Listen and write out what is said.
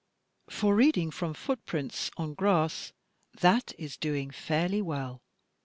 For reading from footprints on grasSy that is doing fairly well!